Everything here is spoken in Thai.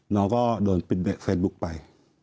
น้อก็โดนปิดเบจเฟซบไป